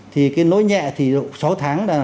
thì cái lỗi nhẹ thì sáu tháng là